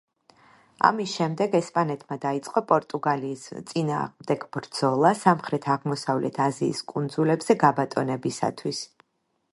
ამის შემდეგ ესპანეთმა დაიწყო პორტუგალიის წინააღმდეგ ბრძოლა სამხრეთ-აღმოსავლეთ აზიის კუნძულებზე გაბატონებისათვის.